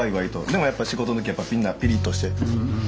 でもやっぱ仕事の時はみんなピリッとして。